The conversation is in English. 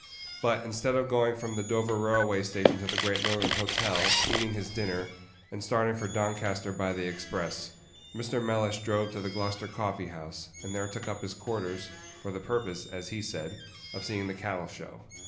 But, instead of going from the Dover Railway Station to the Great Northern Hotel, eating his dinner, and starting for Doncaster by the express, Mr. Mellish drove to the Gloucester Coffee house, and there took up his quarters, for the purpose, as he said, of seeing the Cattle show.